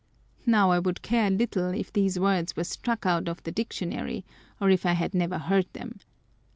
Xow I would care little if these words were struck out of the dictionary, or if I had never heard them.